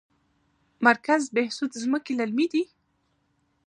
مرکز بهسود ځمکې للمي دي؟